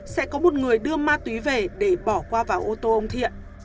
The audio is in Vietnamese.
sẽ có một người đưa ma túy về để bỏ qua vào ô tô ông thiện